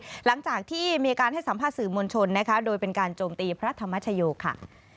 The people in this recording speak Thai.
หลังจากที่มีการให้สัมภาษณ์สื่อมวลชนนะคะโดยเป็นการโจมตีพระธรรมชโยค่ะ